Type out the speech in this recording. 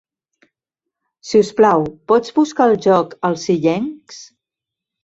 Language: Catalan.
Si us plau, pots buscar el joc "Els illencs"?